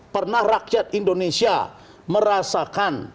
pernah rakyat indonesia merasakan